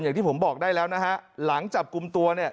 อย่างที่ผมบอกได้แล้วนะฮะหลังจับกลุ่มตัวเนี่ย